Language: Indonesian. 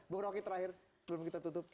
bu rocky terakhir sebelum kita tutup